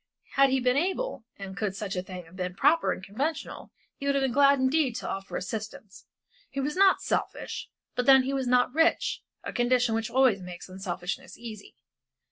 Had he been able, and could such a thing have been proper and conventional, he would have been glad indeed to offer assistance; he was not selfish, but then he was not rich, a condition which always makes unselfishness easy.